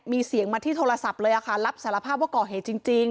มีเสียงมาที่โทรศัพท์เลยค่ะรับสารภาพว่าก่อเหตุจริง